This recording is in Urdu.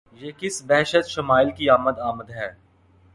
یہ کس بہشت شمائل کی آمد آمد ہے!